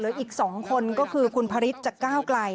อีก๒คนก็คือคุณพระฤทธิจากก้าวไกล